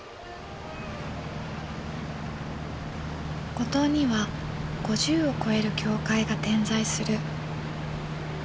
五島には５０を超える教会が点在する。